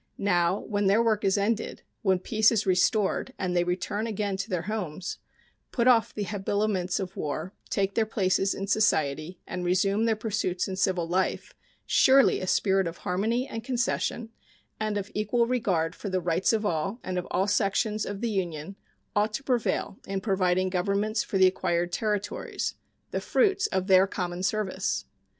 Now, when their work is ended, when peace is restored, and they return again to their homes, put off the habiliments of war, take their places in society, and resume their pursuits in civil life, surely a spirit of harmony and concession and of equal regard for the rights of all and of all sections of the Union ought to prevail in providing governments for the acquired territories the fruits of their common service.